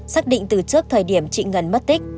xác định từ trước thời điểm chị ngân mất tích